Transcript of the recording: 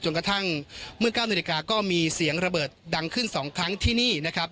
จนกระทั่งมืดเก้าเนื้อดิกาก็มีเสียงระเบิดดังขึ้นสองครั้งที่นี่นะครับ